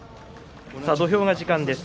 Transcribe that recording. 土俵が時間です。